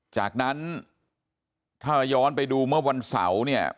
จากนั้นถ้าย้อนไปดูเมื่อวันเสาร์เนี่ย